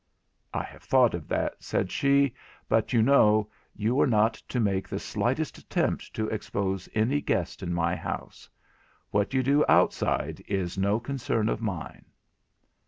'I have thought of that,' said she; 'but, you know, you are not to make the slightest attempt to expose any guest in my house; what you do outside is no concern of mine.'